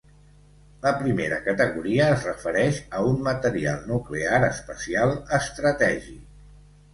La Primera Categoria es refereix a un material nuclear especial estratègic.